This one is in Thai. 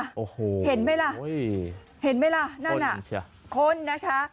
โอ้โหเห็นไหมล่ะเห็นไหมล่ะนั่นอ่ะคนนะคะ